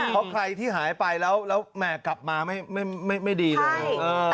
เพราะใครที่หายไปแล้วแหม่กลับมาไม่ดีเลย